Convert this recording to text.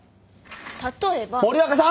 例えば。森若さん！